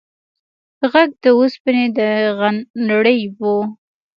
غږ د اوسپنې د غنړې و.